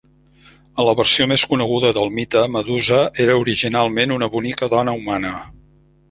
En la versió més coneguda del mite, Medusa era originalment una bonica dona humana.